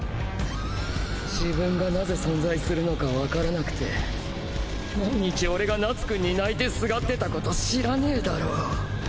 自分が何故存在するのか分からなくて毎日俺が夏くんに泣いて縋ってた事知らねぇだろ。